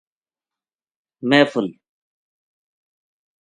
محفل